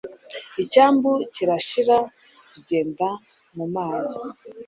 icyambu kirashira tugenda mumazi! ..